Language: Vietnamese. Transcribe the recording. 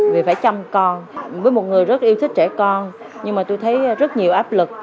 vì phải chăm con với một người rất yêu thích trẻ con nhưng mà tôi thấy rất nhiều áp lực